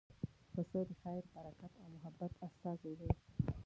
پسه د خیر، برکت او محبت استازی دی.